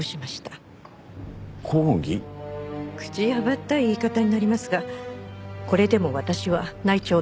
口幅ったい言い方になりますがこれでも私は内調のトップです。